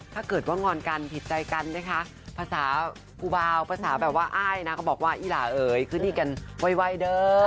ถ้าเกิดงอนกันผิดใจกันนะคะภาษาภูเบาภาษาแบบว่าอ้ายบอกว่าอีหล่าเอย้ขึ้นดีกันไวด้อ